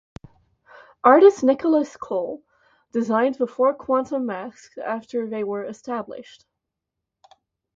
Artist Nicholas Kole designed the four Quantum Masks after they were established.